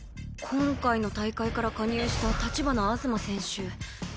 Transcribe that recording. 今回の大会から加入した立花梓馬選手。